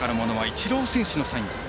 イチロー選手のサインと。